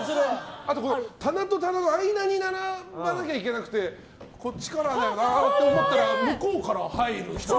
あとは棚と棚の間に並ばなきゃいけなくてこっちからって思ったら向こうから入る人ね。